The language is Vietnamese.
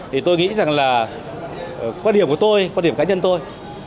thì tôi nghĩ rằng là quan điểm của tôi quan điểm cá nhân tôi